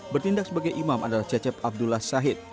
bertindak sebagai imam adalah cecep abdullah sahid